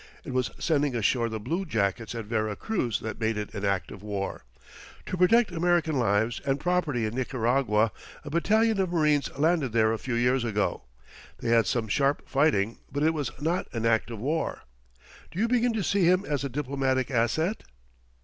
It was sending ashore the bluejackets at Vera Cruz that made it an act of war. To protect American lives and property in Nicaragua a battalion of marines landed there a few years ago. They had some sharp fighting, but it was not an act of war. Do you begin to see him as a diplomatic asset?